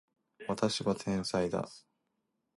私は天才だ